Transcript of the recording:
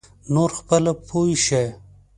نور خپله پوی شه.